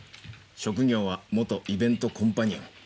職業は元イベントコンパニオン。